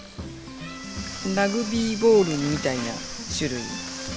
ラグビーボールみたいな種類。